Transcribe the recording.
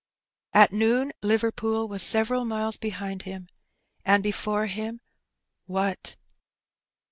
At noon Liver pool was several miles behind him, and before him — ^what?